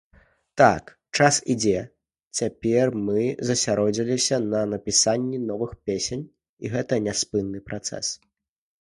Так, час ідзе, цяпер мы засяродзіліся на напісанні новых песень, і гэта няспынны працэс.